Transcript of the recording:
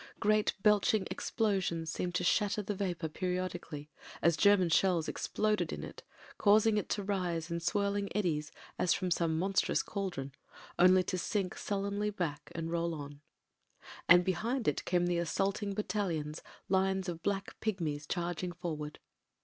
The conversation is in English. Great belching explosions seemed to shatter the vapour periodically, as German shells exploded in it, causing it to rise in swirling eddies, as from some monstrous cauldron, only to sink sullenly back and roll on. And behind it came the assaulting battalions, lines of black pigmies charging forward.